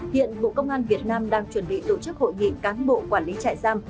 hiện bộ công an việt nam đang chuẩn bị tổ chức hội nghị cán bộ quản lý trại giam